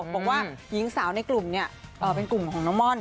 บอกว่าหญิงสาวในกลุ่มเป็นกลุ่มของน้องม่อน